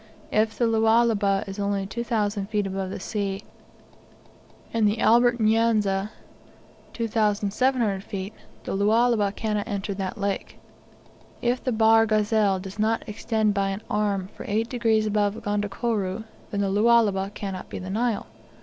If the Lualaba is only 2,000 feet above the sea, and the Albert N'Yanza 2,700 feet, the Lualaba cannot enter that lake. If the Bahr Ghazal does not extend by an arm for eight degrees above Gondokoro, then the Lualaba cannot be the Nile.